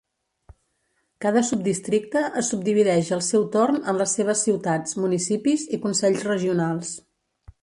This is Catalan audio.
Cada subdistricte es subdivideix al seu torn en les seves ciutats, municipis i consells regionals.